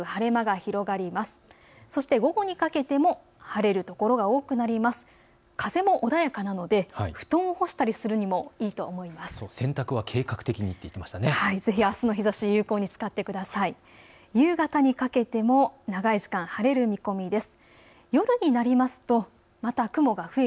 あすの日ざし、有効に使ってください。